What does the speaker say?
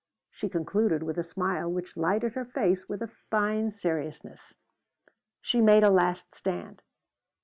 she concluded with a smile which lighted her face with a fine seriousness. She made a last stand.